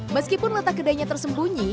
meskipun letak kedainya tersembunyi